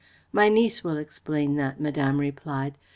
"My niece will explain that," Madame replied.